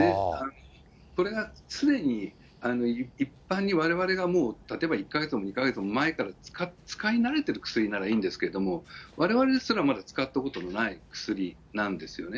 これが常に、一般にわれわれがもう、例えば１か月や２か月も前から使い慣れてる薬ならいいんですけども、われわれですら、まだ使ったことがない薬なんですよね。